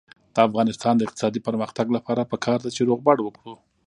د افغانستان د اقتصادي پرمختګ لپاره پکار ده چې روغبړ وکړو.